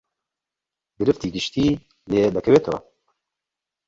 گرفتی گشتی لێ دەکەوێتەوە